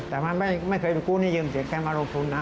แต่มันไม่เคยไปกู้นี่เยินเงินแค่มาโรงพลุธนะ